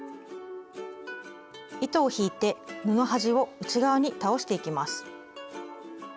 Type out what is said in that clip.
糸を引いて布端を内側に倒していきます。